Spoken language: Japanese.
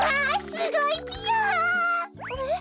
すごいぴよ！え？